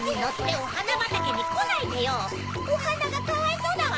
おはながかわいそうだわ！